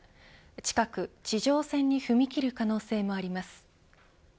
近く地上戦に踏み切る可能性もあります。